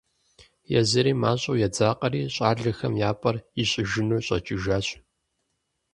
Езыри мащӀэу едзакъэри, щӀалэхэм я пӀэр ищӀыжыну щӀэкӀыжащ.